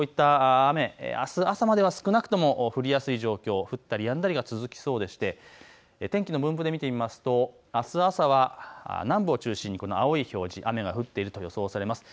こういった雨、あす朝までは少なくとも降りやすい状況、降ったりやんだりが続きそうでして天気の分布で見てみますとあす朝は南部を中心に青い表示、雨が降っていると予想されます。